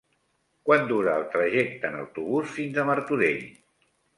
Quant dura el trajecte en autobús fins a Martorell?